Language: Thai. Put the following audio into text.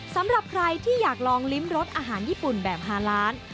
สำหรับใครที่อยากลองลิ้มรสอาหารญี่ปุ่นแบบฮาล้าน